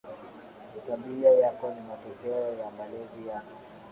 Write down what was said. Tabia yako ni matokeo ya malezi yako